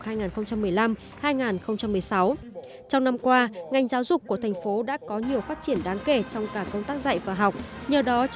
trong năm qua ngành giáo dục của thành phố đã có nhiều phát triển đáng kể trong cả công tác dạy và học